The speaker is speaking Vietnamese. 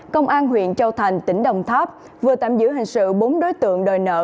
công an huyện châu thành tỉnh đồng tháp vừa tạm giữ hình sự bốn đối tượng đòi nợ